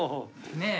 ねえ。